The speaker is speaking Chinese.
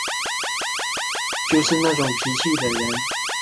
就是那种脾气的人